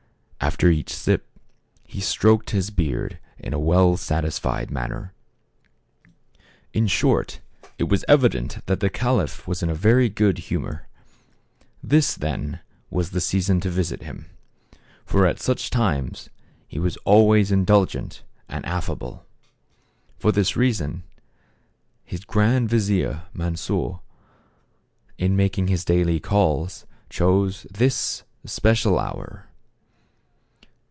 After each sip, he stroked his beard in a well satisfied manner. In short, it was evident that the caliph was in a very good humor. This, then, was the season to visit him ; for at such times he was always in dulgent and affable. For this reason, his grand vizier, Mansor, in making his daily calls chose this especial hour.